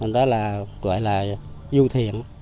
đó là gọi là du thiện